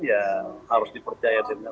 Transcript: ya harus dipercayainya